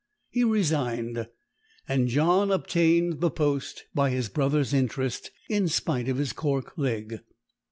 He resigned, and John obtained the post by his brothers' interest, in spite of his cork leg.